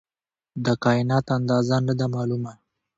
د کائنات اندازه نه ده معلومه.